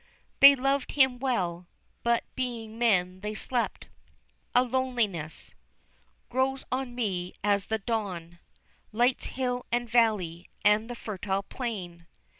They loved Him well, but being men they slept. A loneliness Grows on me as the dawn Lights hill and valley, and the fertile plain.